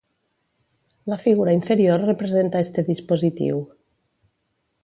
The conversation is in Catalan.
La figura inferior representa este dispositiu.